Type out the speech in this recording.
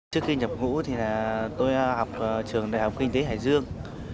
trước khi nhập ngũ thì tôi học trường đại học kinh tế hải dương